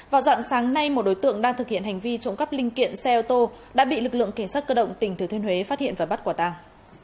vào dặn sáng nay một đối tượng đang thực hiện hành vi trộn cắp linh kiện xe ô tô đã bị lực lượng cảnh sát cơ động tỉnh thứ thuyên huế phát hiện và bắt quả tàng